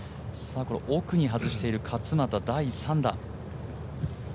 ここは奥に外している勝俣第３打。